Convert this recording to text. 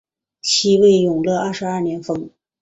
其为永乐二十二年封。